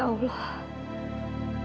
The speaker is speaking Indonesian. kamila kamu harus berhenti